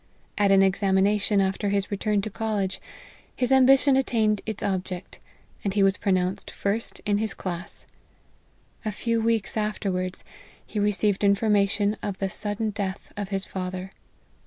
At an examination after his return to college, his ambition attained its object, and he was pronounced first in his class A few weeks afterwards, he received information of the sudden death of his father.